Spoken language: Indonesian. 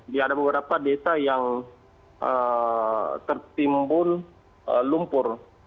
di ada beberapa desa yang tertimbun lumpur